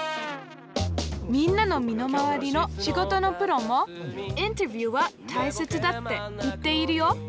みんなの身の回りの仕事のプロもインタビューはたいせつだって言っているよ。